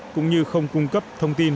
cũng như không cung cấp thông tin